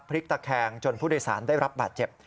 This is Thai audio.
พลิกตะแคงจนผู้โดยสารได้รับบาดเจ็บ